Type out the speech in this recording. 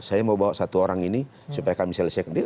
saya mau bawa satu orang ini supaya kami selesai